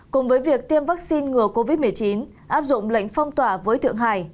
cùng với việc tiêm vaccine ngừa covid một mươi chín áp dụng lệnh phong tỏa với thượng hải